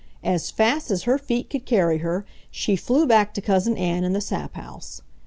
As fast as her feet could carry her she flew back to Cousin Ann in the sap house.